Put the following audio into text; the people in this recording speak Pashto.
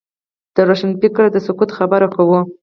د روښانفکرۍ د سقوط خبره کوو.